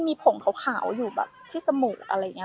มีผงขาวอยู่แบบที่จมูกอะไรอย่างนี้